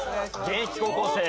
現役高校生。